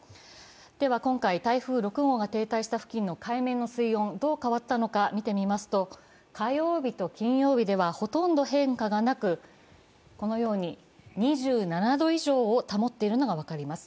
では今回、台風６号が停滞した付近の海面の水温、どう変わったのか見てみますと火曜日と金曜日ではほとんど変化がなく２７度以上を保っているのが分かります。